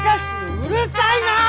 うるさいな！